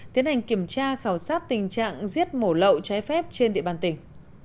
tiến hành kiểm tra khảo sát tình trạng giết mổ lậu trái phép trên địa bàn tỉnh